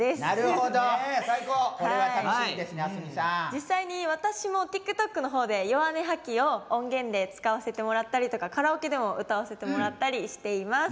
実際に私もＴｉｋＴｏｋの方で「ヨワネハキ」を音源で使わせてもらったりとかカラオケでも歌わせてもらったりしています。